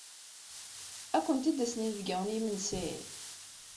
Ad kent-id-asen yinebgiwen i yimensi?